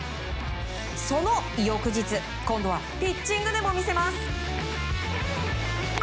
その翌日、今度はピッチングでも見せます。